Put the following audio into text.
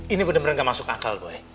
ini bener bener gak masuk akal boy